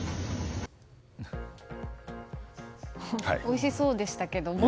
おいしそうでしたけども。